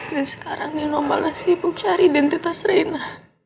dan sekarang nino balas sibuk cari identitas reina